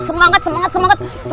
semangat semangat semangat